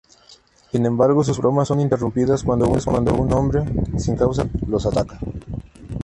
Sin embargo sus bromas son interrumpidas cuando un hombre, sin causa aparente, los ataca.